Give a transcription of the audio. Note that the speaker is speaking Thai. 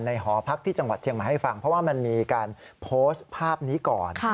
หอพักที่จังหวัดเชียงใหม่ให้ฟังเพราะว่ามันมีการโพสต์ภาพนี้ก่อน